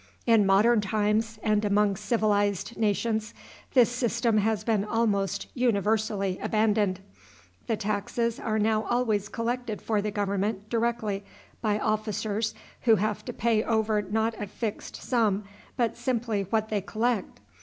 In modern times and among civilized nations this system has been almost universally abandoned. The taxes are now always collected for the government directly by officers who have to pay over not a fixed sum, but simply what they collect.